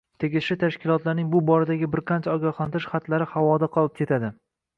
Tegishli tashkilotlarning bu boradagi bir qancha ogohlantirish xatlari havoda qolib ketadi